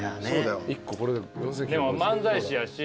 でも漫才師やし。